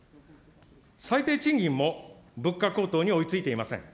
最低賃金も物価高騰に追いついていません。